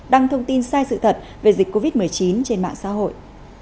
đăng thông tin sai sự thật về dịch covid một mươi chín trên mạng xã hội